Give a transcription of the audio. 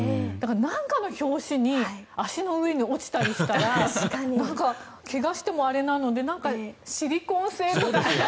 なんかの拍子に足の上に落ちたりしたら怪我してもあれなのでシリコン性とか。